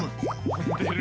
もんでる！